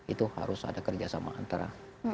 itu harus ada kerjasama antara